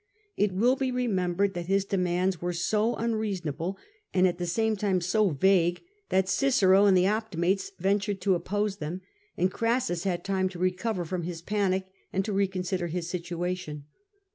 It will be remembered that his demands were so unreasonable, and at the same time so vague, that Cicero and the Optimates ventured to oppose them, and Orassus had time to recover from his panic and to reconsider his situation.